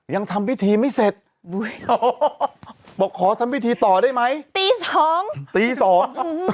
ยังทำพิธีไม่เสร็จอุ้ยบอกขอทำพิธีต่อได้ไหมตีสองตีสองอืม